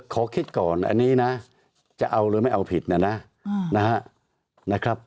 ขอคิดก่อนอันนี้นะจะเอาหรือไม่เอาผิดนะนะนะครับ